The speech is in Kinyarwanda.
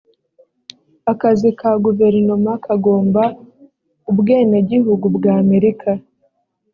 akazi ka guverinoma kagomba ubwenegihugu bw amerika